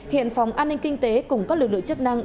hiện phòng an ninh kinh tế cùng các lực lượng chức năng